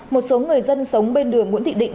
một số người dân sống bên đường nguyễn thị định